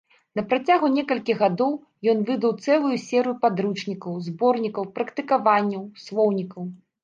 Напрацягу некалькіх гадоў, ён выдаў цэлую серыю падручнікаў, зборнікаў практыкаванняў, слоўнікаў.